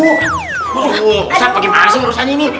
ustadz bagaimana sih urusannya ini